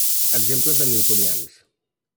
Exemples de hamiltonians.